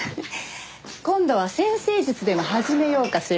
今度は占星術でも始めようかしら。